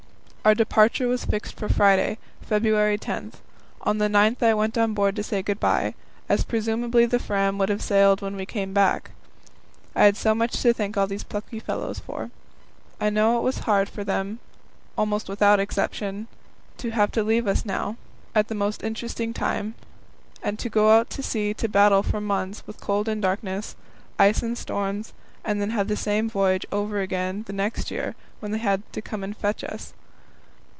Our departure was fixed for Friday, February 10. On the 9th I went on board to say good bye, as presumably the Fram would have sailed when we came back. I had so much to thank all these plucky fellows for. I knew it was hard for all of them almost without exception to have to leave us now, at the most interesting time, and go out to sea to battle for months with cold and darkness, ice and storms, and then have the same voyage over again the next year when they came to fetch us.